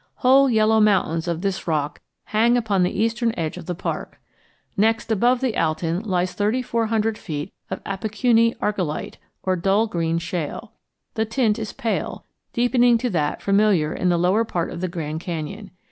Whole yellow mountains of this rock hang upon the eastern edge of the park. Next above the Altyn lies thirty four hundred feet of Appekunny argillite, or dull green shale. The tint is pale, deepening to that familiar in the lower part of the Grand Canyon.